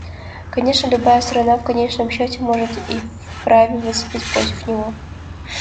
Конечно, любая страна в конечном счете может и вправе выступить против него.